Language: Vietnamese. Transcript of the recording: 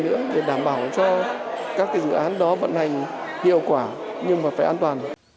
nữa để đảm bảo cho các dự án đó vận hành hiệu quả nhưng mà phải an toàn